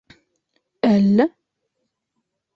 - Әллә.